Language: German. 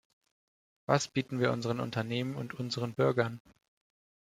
Was bieten wir unseren Unternehmen und unseren Bürgern?